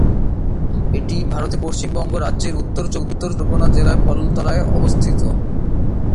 এটি ভারতের পশ্চিমবঙ্গ রাজ্যের উত্তর চব্বিশ পরগণা জেলার পলতায় অবস্থিত।